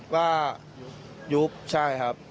เยี่ยมมากครับ